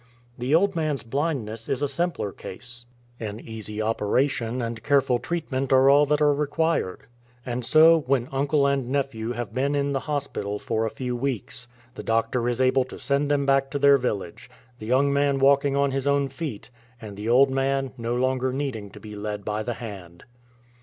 The old man's blindness is a simpler case. An 35 "THE DIVINE GURU" easy operation and careful treatment are all that are reciuired. And so when uncle and nephew have been in the hospital for a few weeks, the doctor is able to send them back to their village — the young man walking on his own feet, and the old man no longer needing to be led by the hand.